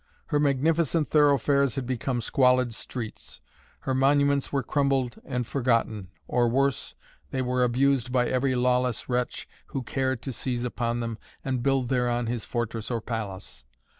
Her magnificent thoroughfares had become squalid streets, her monuments were crumbled and forgotten, or worse, they were abused by every lawless wretch who cared to seize upon them and build thereon his fortress or palace.